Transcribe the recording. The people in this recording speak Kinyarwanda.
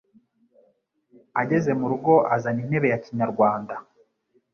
ageze mu rugo azana intebe ya Kinyarwanda